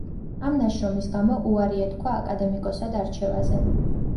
ამ ნაშრომის გამო უარი ეთქვა აკადემიკოსად არჩევაზე.